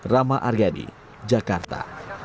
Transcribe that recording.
rama argyadi jakarta